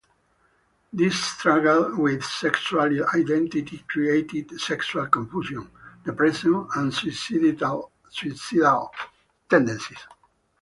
This struggle with sexual identity created sexual confusion, depression, and suicidal tendencies.